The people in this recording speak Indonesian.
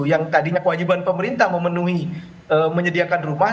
yang tadinya kewajiban pemerintah memenuhi menyediakan rumah